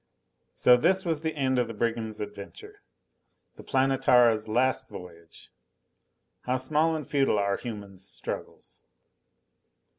So this was the end of the brigands' adventure. The Planetara's last voyage! How small and futile are humans' struggles.